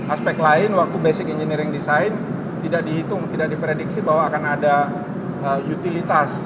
aspek lain waktu basic engineering design tidak dihitung tidak diprediksi bahwa akan ada utilitas